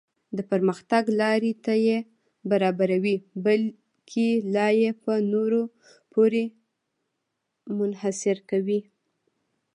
د پرمختګ لارې ته یې برابروي بلکې لا یې په نورو پورې منحصر کوي.